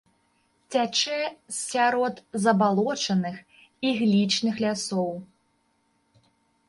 Цячэ сярод забалочаных іглічных лясоў.